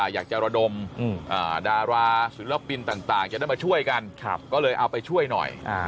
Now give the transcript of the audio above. อยากจะรวดดมดาราศือรภินต่างจะได้มาช่วยกันก็เลยเอาไปช่วยหน่อย